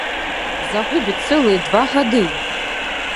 Загубіць цэлыя два гады!